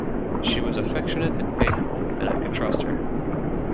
She was affectionate and faithful, and I could trust her.